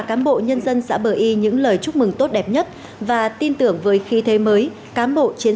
cán bộ nhân dân xã bờ y những lời chúc mừng tốt đẹp nhất và tin tưởng với khí thế mới cám bộ chiến